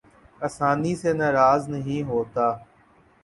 آسانی سے ناراض نہیں ہوتا